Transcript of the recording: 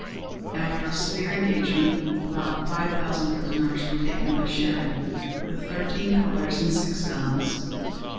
After a severe engagement about five thousand prisoners were taken by Sheridan, with thirteen colors and six guns.